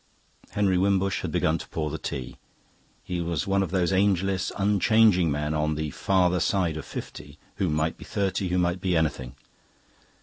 Henry Wimbush had begun to pour out the tea. He was one of those ageless, unchanging men on the farther side of fifty, who might be thirty, who might be anything.